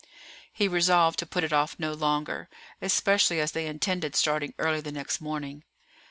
He resolved to put it off no longer, especially as they intended starting early the next morning.